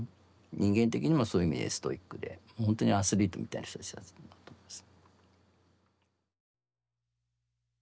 人間的にもそういう意味でストイックでほんとにアスリートみたいな人たちだと思ってます。